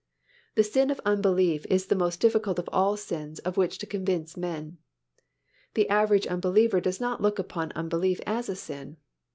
The sin of unbelief is the most difficult of all sins of which to convince men. The average unbeliever does not look upon unbelief as a sin.